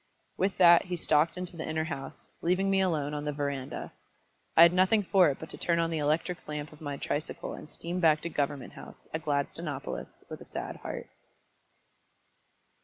With that he stalked into the inner house, leaving me alone on the verandah. I had nothing for it but to turn on the electric lamp of my tricycle and steam back to Government House at Gladstonopolis with a sad heart.